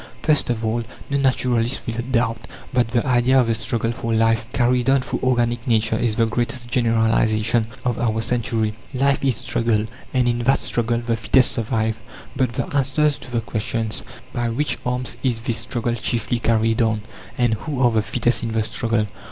First of all, no naturalist will doubt that the idea of a struggle for life carried on through organic nature is the greatest generalization of our century. Life is struggle; and in that struggle the fittest survive. But the answers to the questions, "By which arms is this struggle chiefly carried on?" and "Who are the fittest in the struggle?"